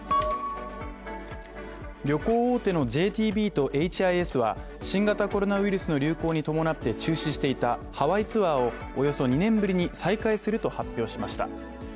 旅行大手のＪＴＢとエイチ・アイ・エスは新型コロナウイルスの流行に伴って中止していたハワイツアーをおよそ２年ぶりに再開すると発表しました。